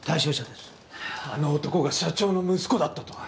あの男が社長の息子だったとは。